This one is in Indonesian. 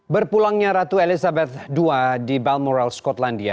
berpulangnya ratu elizabeth ii di balmoral skotlandia